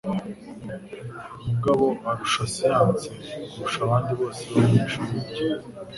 Mugabo arusha siyanse kurusha abandi bose bo mu ishuri rye.